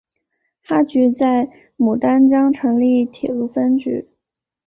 哈局在牡丹江成立铁路分局。